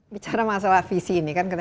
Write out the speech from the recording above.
bicara masalah visi ini kan kita